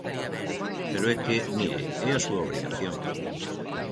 Pero é que, mire, é a súa obrigación.